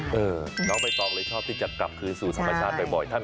น้องเบ้ยต้องเลยชอบที่จะกลับคืนสู่ธรรมชาติบ่อยถ้ามีโอกาส